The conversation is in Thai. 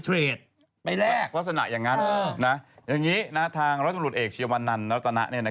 แต่อย่าไปวิจารย์